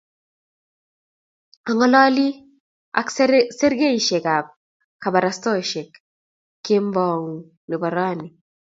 ang'ololi ak serisiekab kabarastaosiek kemou nebo rauni